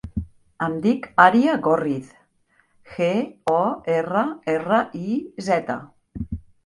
Em dic Arya Gorriz: ge, o, erra, erra, i, zeta.